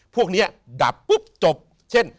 พวกนี้ดับปุ๊บจบเช่น